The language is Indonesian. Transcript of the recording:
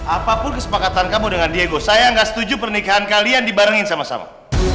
apapun kesepakatan kamu dengan diego saya gak setuju pernikahan kalian dibarengin sama sama